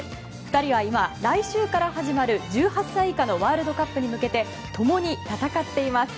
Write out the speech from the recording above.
２人は今来週から始まる１８歳以下のワールドカップに向けて共に戦っています。